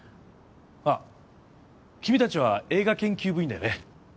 あっ君たちは映画研究部員だよね？